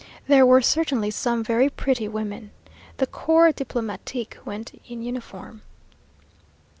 There were certainly some very pretty women. The corps diplomatique went in uniform.